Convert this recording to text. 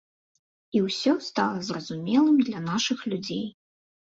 І ўсё стала зразумелым для нашых людзей.